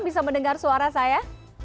bisa mendengar suara saya